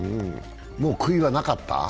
悔いはなかった？